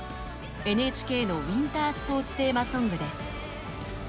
ＮＨＫのウィンタースポーツテーマソングです。